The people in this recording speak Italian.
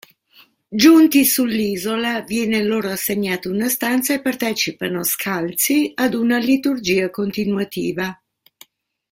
Giunti sull'isola viene loro assegnata una stanza e partecipano scalzi ad una liturgia continuativa.